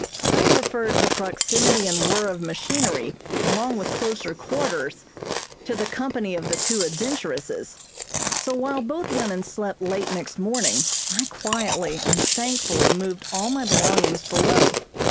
I preferred the proximity and whirr of machinery along with closer quarters to the company of the two adventuresses, so while both women slept late next morning I quietly and thankfully moved all my belongings below.